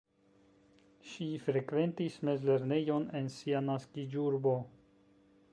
Ŝi frekventis mezlernejon en sia naskiĝurbo.